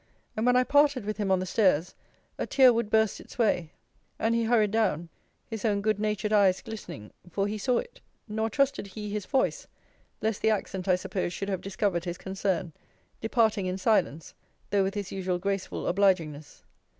And when I parted with him on the stairs, a tear would burst its way; and he hurried down; his own good natured eyes glistening; for he saw it. Nor trusted he his voice, lest the accent I suppose should have discovered his concern; departing in silence; though with his usual graceful obligingness.